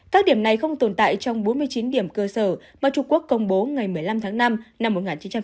các điểm này không tồn tại trong bốn mươi chín điểm cơ sở mà trung quốc công bố ngày một mươi năm tháng năm năm một nghìn chín trăm bảy mươi